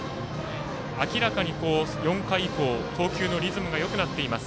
明らかに４回以降投球のリズムがよくなっています